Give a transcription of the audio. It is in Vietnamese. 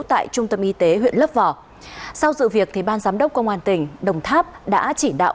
tại trung tâm y tế huyện lấp vò sau sự việc ban giám đốc công an tỉnh đồng tháp đã chỉ đạo